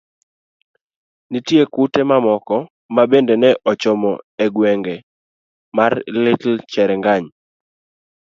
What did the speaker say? Nitie kute mamoko ma bende ne ochomo e gweng' mar Little Cherangany.